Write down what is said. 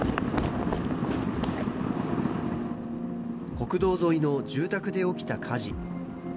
国道沿いの住宅で起きた火事。